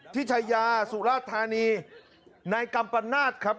ทิศัยาสุรราชธานีนายกัมปาณาจครับ